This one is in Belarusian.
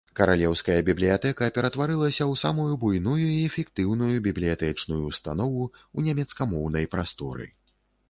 Каралеўская бібліятэка ператварылася ў самую буйную і эфектыўную бібліятэчную ўстанову ў нямецкамоўнай прасторы.